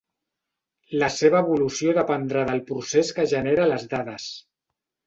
La seva evolució dependrà del procés que genera les dades.